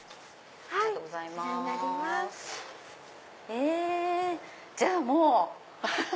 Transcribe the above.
えじゃあもう。